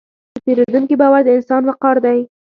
د پیرودونکي باور د انسان وقار دی.